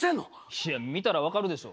いや見たら分かるでしょ。